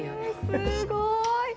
えすごい。